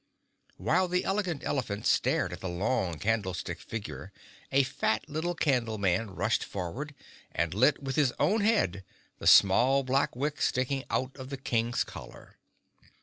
While the Elegant Elephant stared at the long candlestick figure a fat little Candleman rushed forward and lit with his own head the small black wick sticking out of the King's collar.